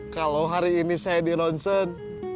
kalau hari ini saya di ronsen